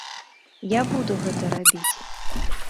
Я буду гэта рабіць.